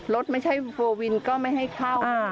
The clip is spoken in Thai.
ไม่ใช่โฟลวินก็ไม่ให้เข้า